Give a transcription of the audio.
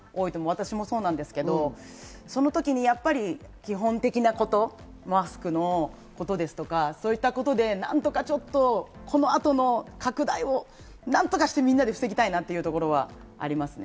私もそうなんですけど、その時に基本的なこと、マスクのことですとか、そういったことで何とかちょっとこの後の拡大を何とかしてみんなで防ぎたいなというところはありますね。